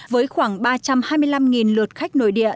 với khoảng ba trăm hai mươi năm lượt khách nội địa